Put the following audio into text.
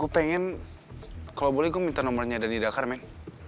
gue pengen kalo boleh gue minta nomernya dhani dakar men